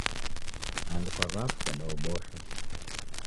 Andu kwa w'afu kwadaobosha.